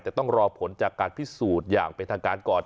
แต่ต้องรอผลจากการพิสูจน์อย่างเป็นทางการก่อน